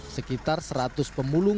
sekitar seratus pemulung